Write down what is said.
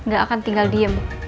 gak akan tinggal diem